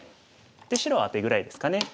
で白はアテぐらいですかね。